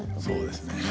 そうですね。